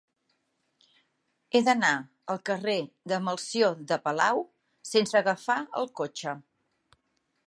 He d'anar al carrer de Melcior de Palau sense agafar el cotxe.